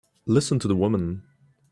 Listen to the woman!